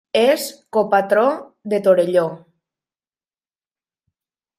És copatró de Torelló.